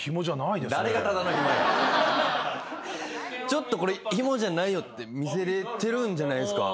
ちょっとこれヒモじゃないよって見せれてるんじゃないですか？